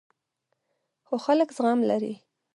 خو خلک زغم لري.